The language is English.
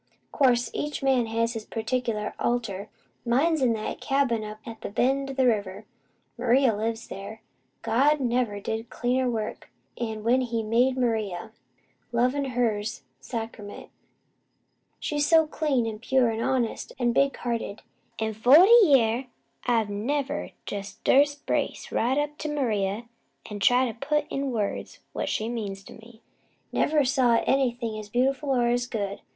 "Course, each man has his particular altar. Mine's in that cabin up at the bend o' the river. Maria lives there. God never did cleaner work, 'an when He made Maria. Lovin, her's sacrament. She's so clean, an' pure, an' honest, an' big hearted! In forty year I've never jest durst brace right up to Maria an' try to put in words what she means to me. Never saw nothin' else as beautiful, or as good.